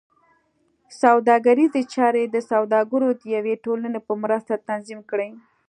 سوداګریزې چارې د سوداګرو د یوې ټولنې په مرسته تنظیم کړې.